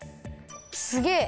すげえ！